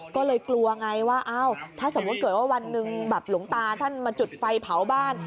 ก็เลยกลัวไงว่าอ้าวถ้าสมมุติเกิดว่าวันหนึ่งแบบหลวงตาท่านมาจุดไฟเผาบ้าน